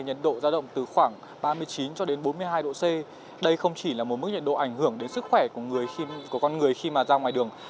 nhật độ ra động từ khoảng ba mươi chín cho đến bốn mươi hai độ c đây không chỉ là một mức nhật độ ảnh hưởng đến sức khỏe của con người khi mà ra ngoài đường